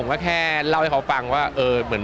ข้ามันเป็นใครหรอ